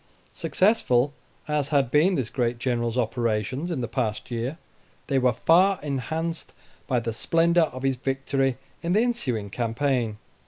Successful as had been this great General's operations in the past year, they were far enhanced by the splendor of his victory in the ensuing campaign.